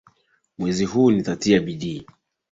Mwezi huu nitatia bidii